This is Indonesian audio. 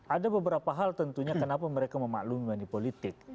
ada beberapa hal tentunya kenapa mereka memaklumi manipolitik